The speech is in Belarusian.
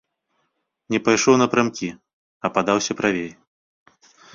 Не пайшоў напрамкі, а падаўся правей.